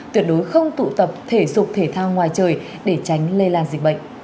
tuyệt đối không tụ tập thể dục thể thao ngoài trời để tránh lây lan dịch bệnh